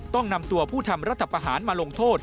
ต้องนำตัวผู้ทำรัฐประหารมาลงโทษ